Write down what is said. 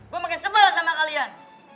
gue makin sebal sama kalian